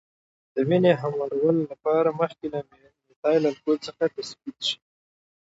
د وینې هموارولو لپاره مخکې له میتایل الکولو څخه تثبیت شي.